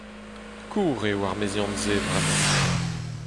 Kozh eo ar meziant-se bremañ.